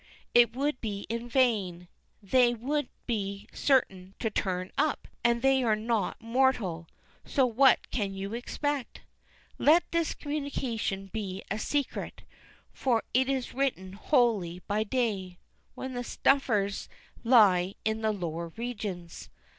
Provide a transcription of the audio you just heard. it would be in vain; they would be certain to turn up; and they are not mortal, so what can you expect? Let this communication be a secret, for it is written wholly by day, when the snuffers lie in the lower regions.